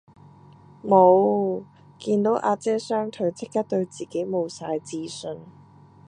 無，見到阿姐雙腿即刻對自己無晒自信